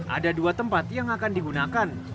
ada dua tempat yang akan digunakan